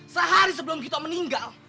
sehari sebelum gito meninggal